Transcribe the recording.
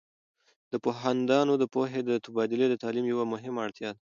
د پوهاندانو د پوهې تبادله د تعلیم یوه مهمه اړتیا ده.